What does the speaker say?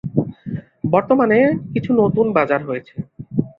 বর্তমানে কিছু নতুন বাজার হয়েছে।